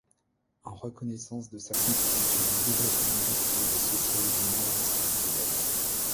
En reconnaissance de sa contribution au développement industriel et social du Nord-ouest du Québec.